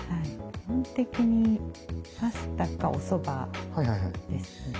基本的にパスタかおそばですね。